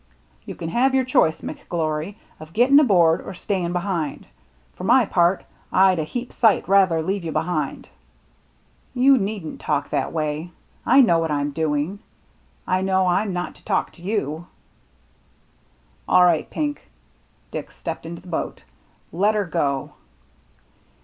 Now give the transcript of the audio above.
"You can have your choice, McGlory, of getting aboard or staying behind. For my part, I'd a heap sight rather leave you behind." " You needn't talk that way. I know what BURNT COVE 131 rm doin' — I know rm not to talk to you —"" All right, Pink," — Dick stepped into the boat, —" let her go."